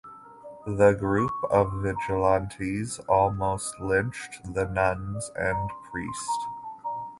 The group of vigilantes almost lynched the nuns and priest.